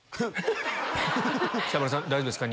北村さん大丈夫ですか？